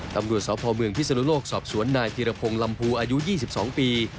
ตำรวจสพเมืองพิศนุโลกสอบสวนนายธีรพงศ์ลำพูอายุ๒๒ปี